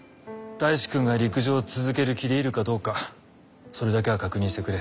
大志くんが陸上を続ける気でいるかどうかそれだけは確認してくれ。